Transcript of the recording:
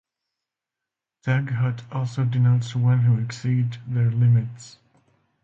Taghut also denotes one who exceed their limits.